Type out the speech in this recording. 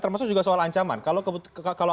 termasuk juga soal ancaman kalau